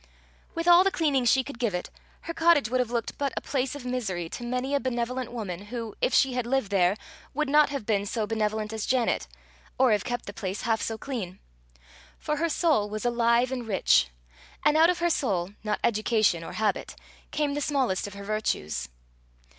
'" With all the cleaning she could give it, her cottage would have looked but a place of misery to many a benevolent woman, who, if she had lived there, would not have been so benevolent as Janet, or have kept the place half so clean. For her soul was alive and rich, and out of her soul, not education or habit, came the smallest of her virtues.